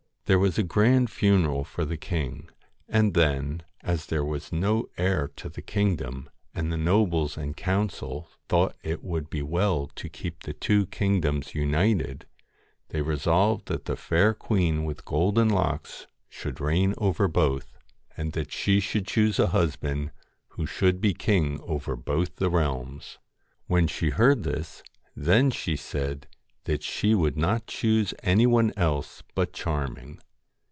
There was a grand funeral for the king, and then, as there was no heir to the kingdom, and the nobles and council thought it would be well to keep the two kingdoms united, they resolved that the Fair Queen with Golden Locks should reign over both, and that she 182 should chose a husband, who should be king over THE FAIR both the realms. ^i When she heard this, then she said that she would GULDEN not choose any one else but Charming.